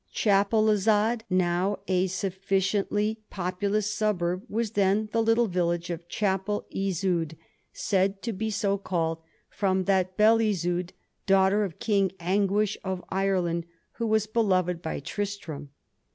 Chapelizod, now a sufficiently populous fiuburb, was then the little village of Chappell Isoud, said to be so called from that Belle Isoud, daughter of King Anguish of Ireland, who was beloved by Tristram.